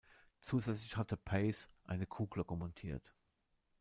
Zusätzlich hatte Paice eine Kuhglocke montiert.